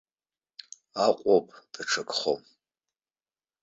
Аҟәоуп даҽакхом.